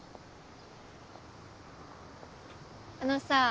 あのさぁ